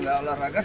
kalau gak olahraga